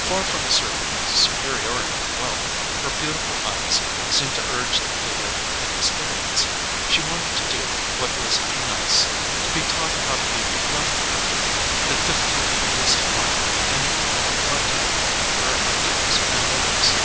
Far from asserting the superiority of wealth, her beautiful eyes seemed to urge the plea of inexperience: she wanted to do what was "nice," to be taught how to be "lovely." The difficulty was to find any point of contact between her ideals and Lily's.